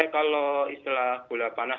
kalau istilah bola panas